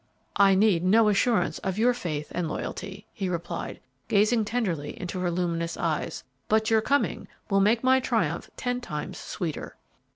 "I need no assurance of your faith and loyalty," he replied, gazing tenderly into her luminous eyes, "but your coming will make my triumph ten times sweeter."